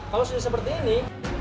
kalau sudah seperti ini